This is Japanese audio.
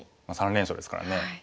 ３連勝ですからね。